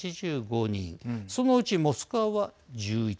そのうちモスクワは１１人。